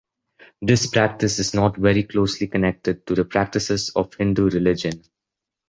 This practice is not very closely connected to the practices of Hindu religion.